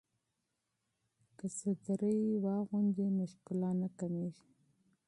که واسکټ واغوندو نو ښکلا نه کمیږي.